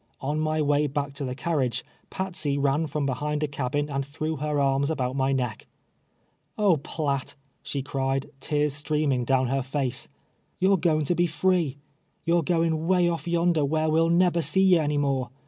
On my way back to the carriage, Patsey ran from behind a caltin and threw her arms about my neck. " Oh I Piatt," she cried, tears streaming down her face, "you're goin' to be free — you're gt»in' Avay off yonder where we'll neber see ye any mure.